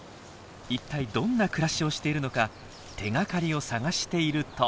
一体どんな暮らしをしているのか手がかりを探していると。